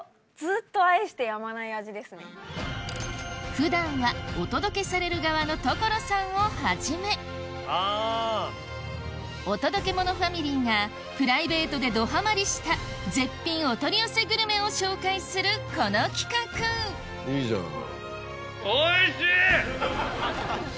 普段はお届けされる側の所さんをはじめお届けモノファミリーがプライベートでどハマりした絶品お取り寄せグルメを紹介するこの企画いいじゃない。